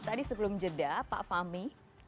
tadi sebelum jeda pak fahmi